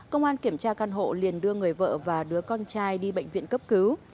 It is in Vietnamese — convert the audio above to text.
công an kiểm tra căn hộ liền đưa người vợ và đứa con trai đi bệnh viện cấp cứu